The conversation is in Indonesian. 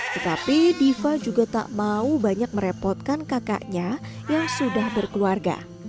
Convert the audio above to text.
tetapi diva juga tak mau banyak merepotkan kakaknya yang sudah berkeluarga